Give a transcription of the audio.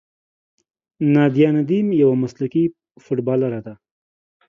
نادیه ندیم یوه مسلکي فوټبالره ده.